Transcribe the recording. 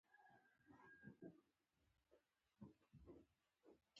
بسونه ډېر زاړه و.